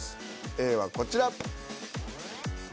Ａはこちら。